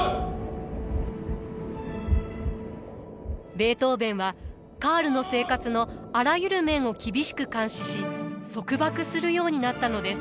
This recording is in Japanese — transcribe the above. ベートーヴェンはカールの生活のあらゆる面を厳しく監視し束縛するようになったのです。